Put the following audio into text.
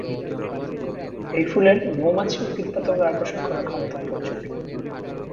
এই ফুলের মৌমাছি ও কীটপতঙ্গ আকর্ষণ করার ক্ষমতা প্রচুর।